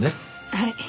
はい。